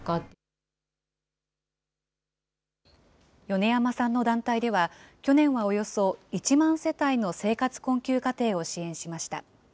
米山さんの団体では、去年はおよそ１万世帯の生活困窮家庭を支援しました。